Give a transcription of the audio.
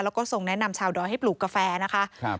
แล้วก็ทรงแนะนำชาวดอยให้ปลูกกาแฟนะคะครับ